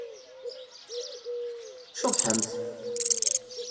Ceḍḥemt!